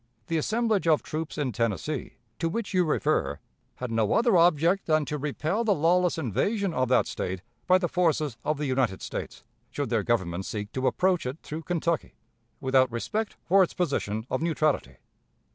The assemblage of troops in Tennessee, to which you refer, had no other object than to repel the lawless invasion of that State by the forces of the United States, should their Government seek to approach it through Kentucky, without respect for its position of neutrality.